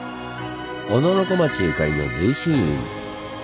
小野小町ゆかりの隨心院。